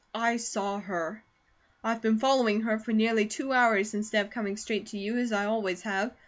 I saw her. I've been following her for nearly two hours instead of coming straight to you, as I always have.